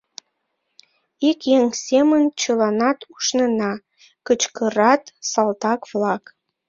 Ик еҥ семын чыланат ушнена! — кычкырат салтак-влак.